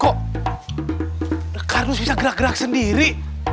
kok harus bisa gerak gerak sendiri